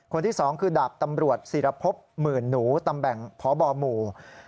คนที่๒คือดาบตำรวจศิรพบหมื่นหนูตำแหน่งพบหมู่